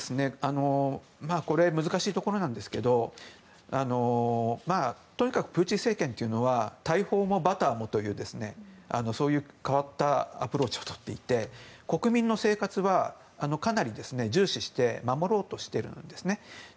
これ難しいところなんですけどとにかくプーチン政権というのは大砲もバターもというそういう変わったアプローチを取っていて国民の生活はかなり重視して守ろうとしているんですね。